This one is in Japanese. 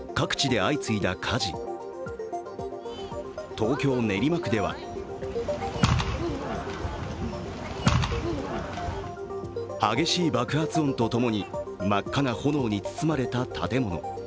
東京・練馬区では激しい爆発音とともに、真っ赤な炎に包まれた建物。